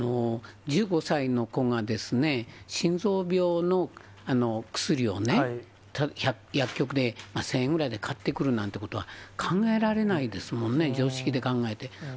１５歳の子がですね、心臓病の薬をね、薬局で１０００円ぐらいで買ってくるなんてことは考えられないですもんね、常識で考えて。